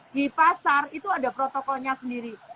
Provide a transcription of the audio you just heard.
di pasar itu ada protokolnya sendiri